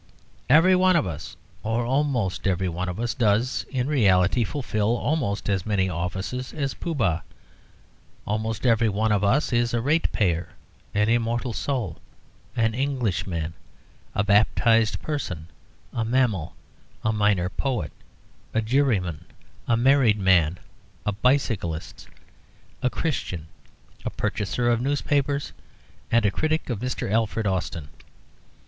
Every one of us, or almost every one of us, does in reality fulfil almost as many offices as Pooh Bah. Almost every one of us is a ratepayer, an immortal soul, an Englishman, a baptised person, a mammal, a minor poet, a juryman, a married man, a bicyclist, a Christian, a purchaser of newspapers, and a critic of Mr. Alfred Austin.